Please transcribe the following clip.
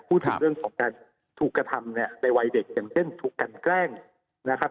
พูดถึงเรื่องของการถูกกระทำเนี่ยในวัยเด็กอย่างเช่นถูกกันแกล้งนะครับ